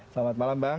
selamat malam bang